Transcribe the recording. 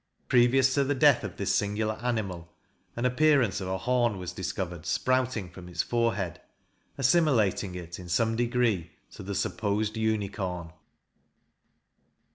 Previous to the death of this singular animal, an appearance of a horn was discovered sprouting from its forehead; assimilating it, in some degree, to the supposed unicorn.